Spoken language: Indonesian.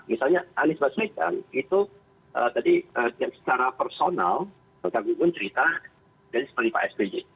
misalnya anies basmidang itu tadi secara personal kang gunggun cerita dan seperti pak spj